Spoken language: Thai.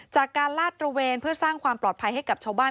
ลาดตระเวนเพื่อสร้างความปลอดภัยให้กับชาวบ้าน